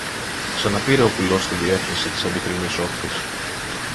ξαναπήρε ο κουλός τη διεύθυνση της αντικρινής όχθης